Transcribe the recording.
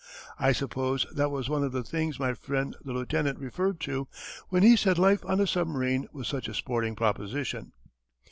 I suppose that was one of the things my friend the lieutenant referred to when he said life on a submarine was such a sporting proposition.